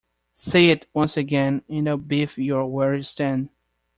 Say it once again, and I'll biff you where you stand.